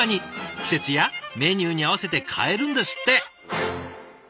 季節やメニューに合わせて変えるんですって。